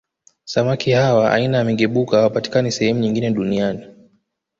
Samaki hawa aina ya Migebuka hawapatikani sehemu nyingine Duniani